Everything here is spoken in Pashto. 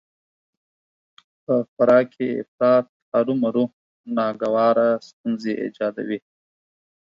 په خوراک کې افراط هرومرو ناګواره ستونزې ايجادوي